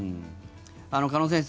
鹿野先生